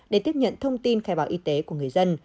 để tiếp nhận thông tin khai báo y tế của người dân